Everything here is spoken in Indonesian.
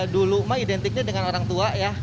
dulu mah identiknya dengan orang tua ya